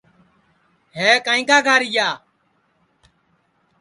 ہے کائیں کا گاریا